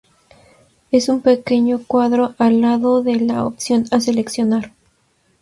Es un pequeño cuadro al lado de la opción a seleccionar.